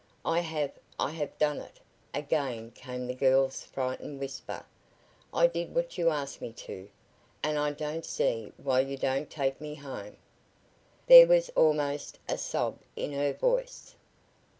"I have I have done it," again came the girl's frightened whisper. "I did what you asked me to, and I don't see why you don't take me home." There was almost a sob in her voice.